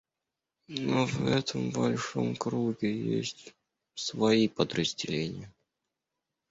Но в этом большом круге есть свои подразделения.